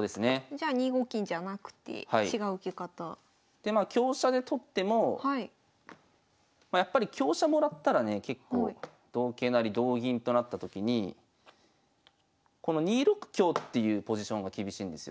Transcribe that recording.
じゃあ２五金じゃなくて違う受け方？でまあ香車で取ってもやっぱり香車もらったらね結構同桂成同銀となった時にこの２六香っていうポジションが厳しいんですよ。